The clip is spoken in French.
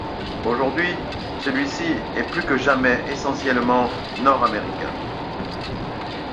Aujourd'hui, celui-ci est plus que jamais essentiellement nord-américain.